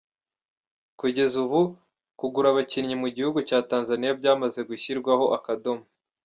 Kugeza ubu kugura abakinnyi mu gihugu cya Tanzania byamaze gushyirwaho akadomo.